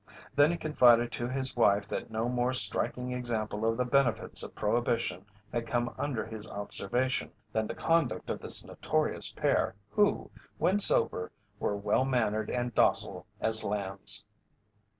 There he confided to his wife that no more striking example of the benefits of prohibition had come under his observation than the conduct of this notorious pair who, when sober, were well mannered and docile as lambs.